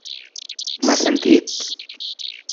M'has sentit?